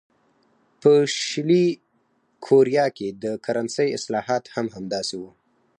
په شلي کوریا کې د کرنسۍ اصلاحات هم همداسې وو.